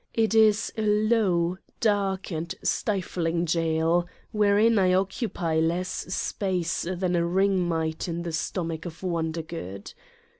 It is a low, dark and stifling jail, wherein I occupy less space than a ring might in the stomach of Wondergood.